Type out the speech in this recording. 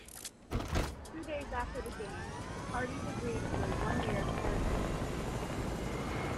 Two days after the game, the parties agreed to a one-year carriage deal.